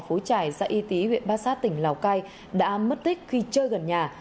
phố trải xã y tý huyện bát sát tỉnh lào cai đã mất tích khi chơi gần nhà